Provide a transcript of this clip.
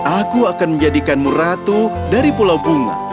aku akan menjadikanmu ratu dari pulau bunga